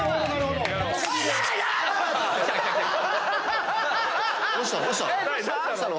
どうした？